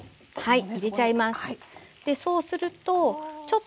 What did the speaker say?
はい。